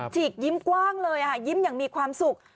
ฉีกยิ้มกว้างเลยยิ้มอย่างมีความสุข